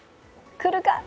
来るか？